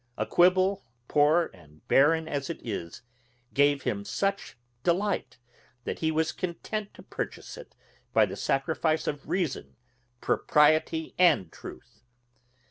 A quibble, poor and barren as it is, gave him such delight, that he was content to purchase it, by the sacrifice of reason, propriety and truth.